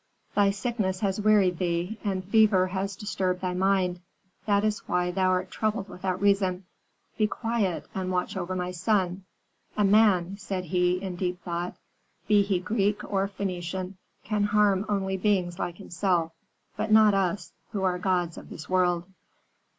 "Thy sickness has wearied thee, and fever has disturbed thy mind; that is why thou art troubled without reason. Be quiet, and watch over my son. A man," said he, in deep thought, "be he Greek or Phœnician, can harm only beings like himself, but not us, who are gods of this world."